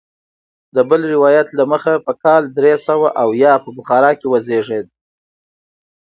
د بل روایت له مخې په کال درې سوه اویا په بخارا کې وزیږېد.